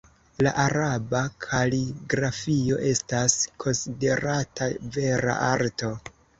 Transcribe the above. La araba kaligrafio estas konsiderata vera arto.